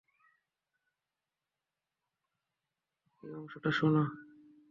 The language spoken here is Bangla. এই অংশটা শোনো।